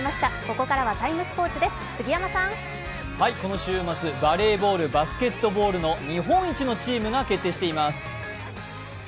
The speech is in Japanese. この週末、バレーボール、バスケットボールの日本一のチームが決定しています。